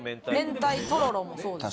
明太とろろもそうですね。